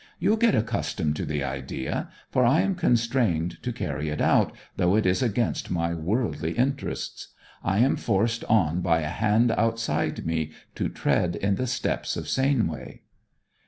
'You'll get accustomed to the idea, for I am constrained to carry it out, though it is against my worldly interests. I am forced on by a Hand outside me to tread in the steps of Sainway.'